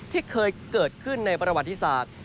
ที่เคยเกิดขึ้นในประวัติศาสตร์